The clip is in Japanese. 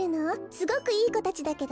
すごくいいこたちだけど。